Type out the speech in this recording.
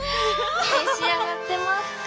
召し上がってますか？